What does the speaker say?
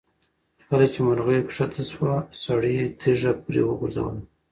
کله چې مرغۍ ښکته شوه، سړي تیږه پرې وغورځوله.